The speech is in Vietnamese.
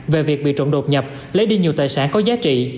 về việc bị trộm đột nhập lấy đi nhiều tài sản có giá trị